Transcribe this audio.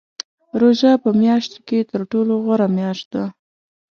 روژه په میاشتو کې تر ټولو غوره میاشت ده .